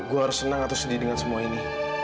gue harus senang atau sedih dengan semua ini